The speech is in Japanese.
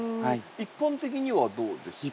一般的にはどうですか？